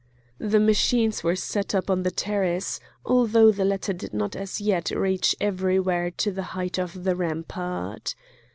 The machines were set up on the terrace, although the latter did not as yet reach everywhere to the height of the rampart.